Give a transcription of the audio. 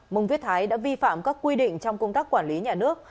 mông viết thái đã vi phạm các quy định trong công tác quản lý nhà nước